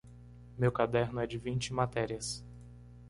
Meu caderno é de vinte matérias.